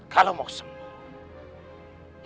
kalau mau sembuh